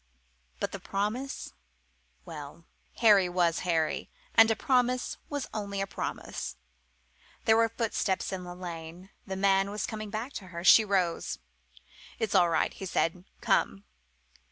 But the promise? Well, Harry was Harry, and a promise was only a promise! There were footsteps in the lane. The man was coming back to her. She rose. "It's all right," he said. "Come."